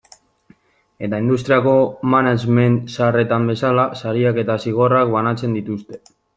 Eta industriako management zaharretan bezala, sariak eta zigorrak banatzen dituzte.